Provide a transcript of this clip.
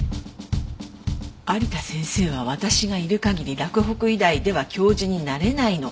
有田先生は私がいる限り洛北医大では教授になれないの。